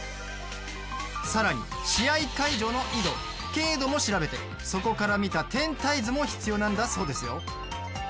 さらに試合会場の緯度、経度も調べてそこから見た天体図も必要なんだそうです。